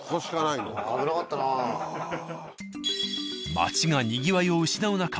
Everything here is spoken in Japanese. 町がにぎわいを失う中